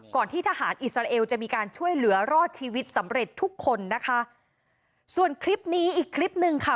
ที่ทหารอิสราเอลจะมีการช่วยเหลือรอดชีวิตสำเร็จทุกคนนะคะส่วนคลิปนี้อีกคลิปหนึ่งค่ะ